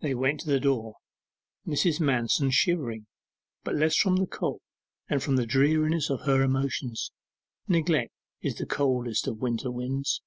They went to the door, Mrs. Manston shivering; but less from the cold, than from the dreariness of her emotions. Neglect is the coldest of winter winds.